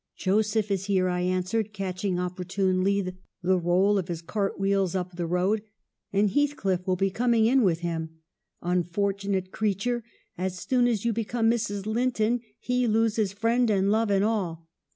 "'Joseph is here,' I answered, catching oppor tunely the roll of his cart wheels up the road, 'and Heathcliff will be coming in with him. ... Unfortunate creature, as soon as you become Mrs. Linton he loses friend and love and all.